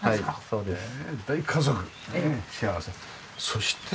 そうですね。